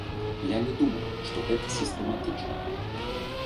Я не думаю, што гэта сістэматычна.